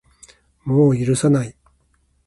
もう許さない